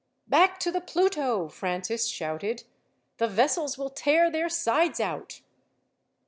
"Back to the Pluto," Francis shouted. "The vessels will tear their sides out!"